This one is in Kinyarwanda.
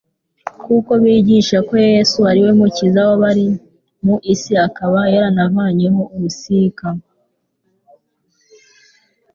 kuko bigishaga ko Yesu ari we Mukiza w'abari mu isi akaba yaranavanyeho urusika